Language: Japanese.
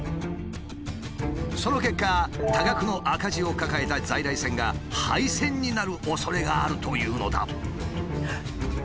その結果多額の赤字を抱えた在来線が廃線になるおそれがあるというのだ。